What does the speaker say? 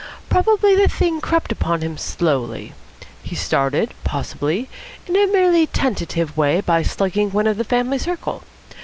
Probably the thing crept upon him slowly. He started, possibly, in a merely tentative way by slugging one of the family circle.